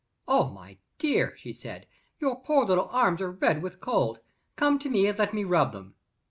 "Oh, my dear," she said, "your poor little arms are red with cold. Come to me and let me rub them."